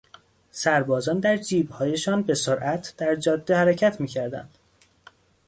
سربازان در جیبهایشان به سرعت در جاده حرکت میکردند.